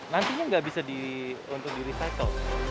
nantinya nggak bisa untuk di recycle